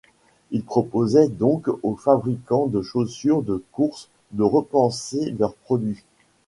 Ils proposaient donc aux fabricants de chaussures de courses de repenser leurs produits.